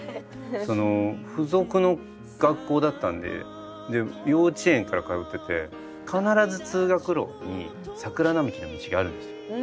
その付属の学校だったんで幼稚園から通ってて必ず通学路に桜並木の道があるんですよ。